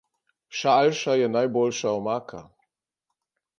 Šalša je najboljša omaka.